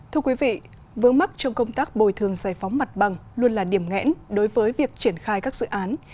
thưa quý vị vướng mắc trong công tác bồi thường giải phóng mặt bằng luôn là điểm ngẽn đối với việc triển khai các dự án